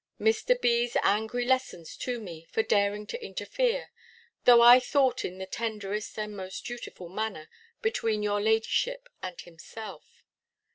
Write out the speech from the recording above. Mr. B.'s angry lessons to me, for daring to interfere; though I thought in the tenderest and most dutiful manner, between your ladyship and himself.